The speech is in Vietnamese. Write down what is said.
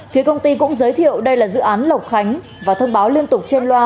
phía công ty cũng giới thiệu đây là dự án lộc khánh và thông báo liên tục trên loa